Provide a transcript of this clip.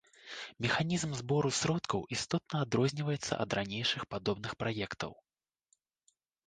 Механізм збору сродкаў істотна адрозніваецца ад ранейшых падобных праектаў.